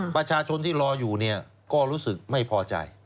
ประชาชนที่รออยู่เนี่ยก็รู้สึกไม่พอใจ